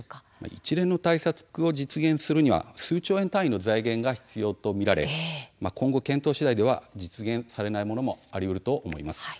一連の対策を実現するには数兆円単位の財源が必要と見られ今後の検討次第では実現されないものもあると思います。